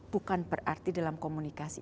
bukan berarti dalam komunikasi